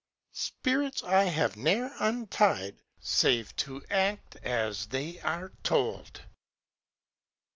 Spirits I have ne'er untied Save to act as they are told."